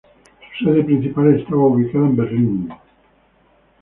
Su sede principal estaba ubicada en Berlín.